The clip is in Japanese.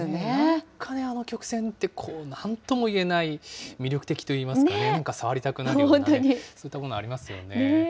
なんかあの曲線って、なんともいえない魅力的といいますかね、なんか触りたくなるようなね、そういったものありますよね。